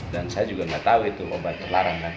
dan saya juga nggak tahu itu obat terlarang